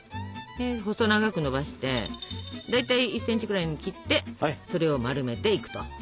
細長くのばしてだいたい１ｃｍぐらいに切ってそれを丸めていくと。